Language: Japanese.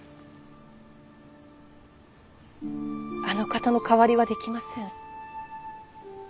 あの方の代わりはできません。